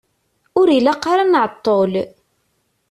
Ur ilaq ara ad nεeṭṭel.